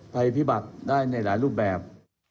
ภัยพิบัติได้ในหลายรูปแบบ